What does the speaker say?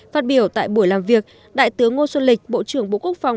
phát biểu tại buổi làm việc đại tướng ngô xuân lịch bộ trưởng bộ quốc phòng